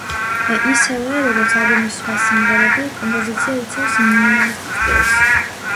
ისევე, როგორც ალბომის სხვა სიმღერები, კომპოზიცია იცავს მინიმალისტურ სტილს.